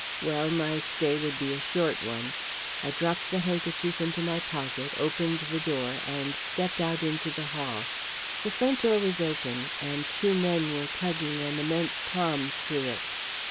Well, my stay would be a short one; I dropped the handkerchief into my pocket, opened the door, and stepped out into the hall. The front door was open and two men were tugging an immense palm through it.